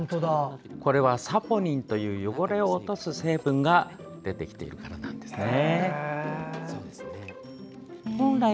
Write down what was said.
これはサポニンという汚れを落とす成分が出てきているからですね。